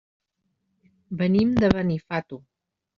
Venim de Benifato.